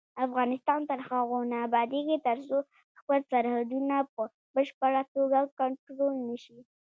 افغانستان تر هغو نه ابادیږي، ترڅو خپل سرحدونه په بشپړه توګه کنټرول نشي.